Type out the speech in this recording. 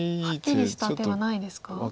はっきりした手はないですか？